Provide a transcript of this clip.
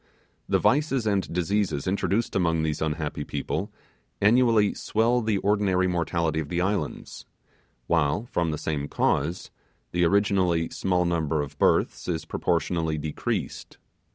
The vices and diseases introduced among these unhappy people annually swell the ordinary mortality of the islands, while, from the same cause, the originally small number of births is proportionally decreased.